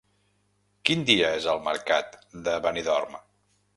Quin dia és el mercat de Benidorm?